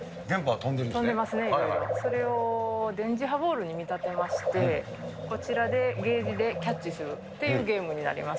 それを電磁波ボールに見立てまして、こちらでゲージでキャッチするっていうゲームになります。